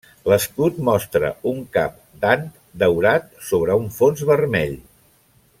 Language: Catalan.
L'escut mostra un cap d'ant daurat sobre un fons vermell.